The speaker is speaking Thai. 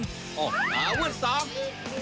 โอ้โฮพิษทางขนาดนี้ก็หาบอลไม่เจอหรอกครับพระคุณ